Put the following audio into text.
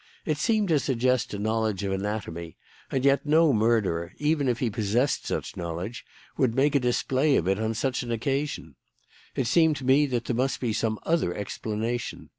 It seemed to suggest a knowledge of anatomy, and yet no murderer, even if he possessed such knowledge, would make a display of it on such an occasion. It seemed to me that there must be some other explanation.